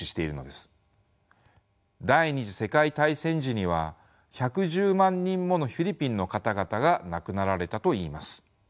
第２次世界大戦時には１１０万人ものフィリピンの方々が亡くなられたといいます。